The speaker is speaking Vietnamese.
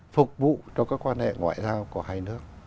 phục vụ cho các quan hệ ngoại giao của hai nước